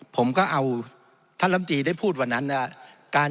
ผมก็เอาท่านลำตีได้พูดวันนั้นนะครับ